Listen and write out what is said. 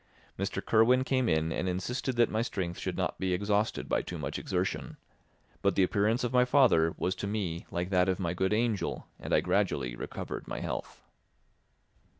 Mr. Kirwin came in and insisted that my strength should not be exhausted by too much exertion. But the appearance of my father was to me like that of my good angel, and I gradually recovered my health.